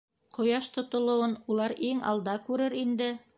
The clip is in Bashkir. Ҡояш тотолоуын улар иң алда күрер инде!